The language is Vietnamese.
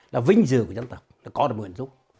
là vinh dự của dân tộc là có được nguyện rũ